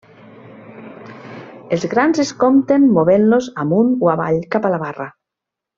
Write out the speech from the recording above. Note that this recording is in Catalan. Els grans es compten movent-los amunt o avall cap a la barra.